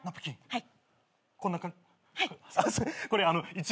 はい。